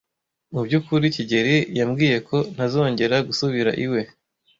Mubyukuri, kigeli yambwiye ko ntazongera gusubira iwe.